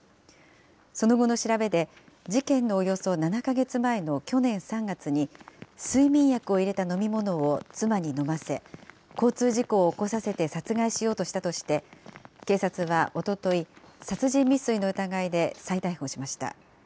その後の調べで、事件のおよそ７か月前の去年３月に、睡眠薬を入れた飲み物を妻に飲ませ、交通事故を起こさせて殺害しようとしたとして、警察はおととい、殺人未遂の疑いで再逮捕しました。